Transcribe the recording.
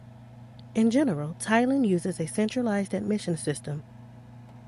In general, Thailand uses the centralized admission system.